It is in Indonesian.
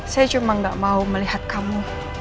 saya cuma gak mau melihat kamu